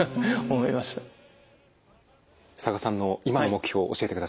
佐賀さんの今の目標教えてください。